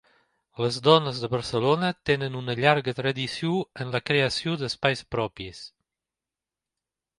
Les dones de Barcelona tenen una llarga tradició en la creació d’espais propis.